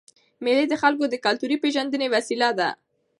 مېلې د خلکو د کلتوري پېژندني وسیله ده.